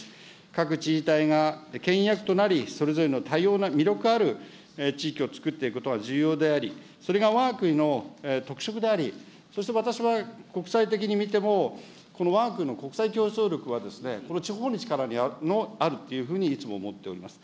各自治体がけん引役となり、それぞれの多様な魅力ある地域をつくっていくことが重要であり、それがわが国の特色であり、そして私は国際的に見ても、わが国の国際競争力は地方の力にあるというふうに、いつも思っております。